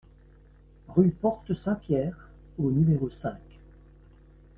Rue Porte Saint-Pierre au numéro cinq